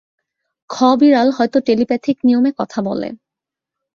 খ বিড়াল হয়তো টেলিপ্যাথিক নিয়মে কথা বলে!